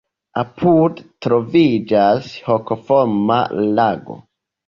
Apude troviĝas hokoforma lago.